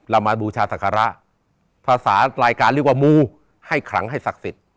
เรามาบูชาศักระภาษารายการเรียกว่ามูให้ขลังให้ศักดิ์สิทธิ์